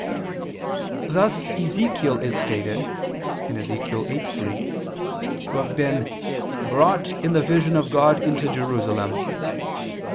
Thus Ezechiel is stated (Ezech. 8:3) to have been "brought in the vision of God into Jerusalem."